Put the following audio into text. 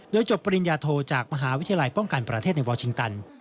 โดยจบปริญญาโทจากมหาวิทยาลัยป้องกันประเทศในวอลชิงตัน